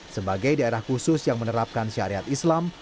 sebagai daerah khusus yang menerapkan syariat islam